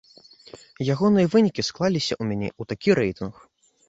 Ягоныя вынікі склаліся ў мяне ў такі рэйтынг.